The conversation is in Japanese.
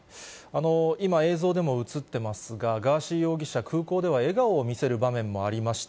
今、映像でも映ってますが、ガーシー容疑者、空港では笑顔を見せる場面もありました。